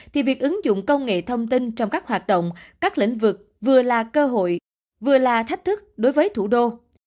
thì việc ứng dụng công nghệ thông tin trong các hoạt động các lĩnh vực vừa là cơ hội vừa là thách thức đối với thủ đô